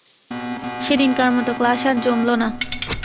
সেদিনকার মতো ক্লাস আর জমল না।